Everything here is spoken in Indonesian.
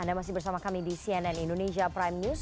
anda masih bersama kami di cnn indonesia prime news